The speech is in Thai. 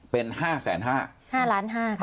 เป็น๕แสน๕๕ล้าน๕ค่ะ